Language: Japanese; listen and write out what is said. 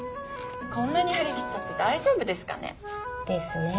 こんなに張り切っちゃって大丈夫ですかね？ですね。